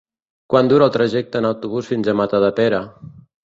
Quant dura el trajecte en autobús fins a Matadepera?